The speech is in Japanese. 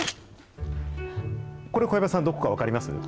これ、小籔さん、どこか分かりま